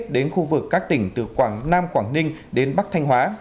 đến khu vực các tỉnh từ quảng nam quảng ninh đến bắc thanh hóa